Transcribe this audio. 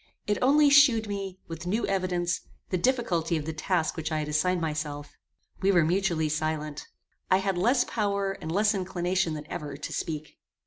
It only shewed me, with new evidence, the difficulty of the task which I had assigned myself. We were mutually silent. I had less power and less inclination than ever to speak.